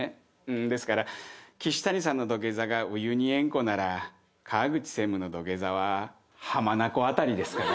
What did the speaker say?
ですから岸谷さんの土下座がウユニ塩湖なら川口専務の土下座は浜名湖辺りですかね。